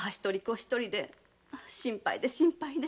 一人で心配で心配で。